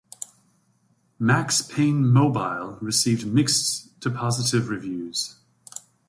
"Max Payne Mobile" received mixed to positive reviews.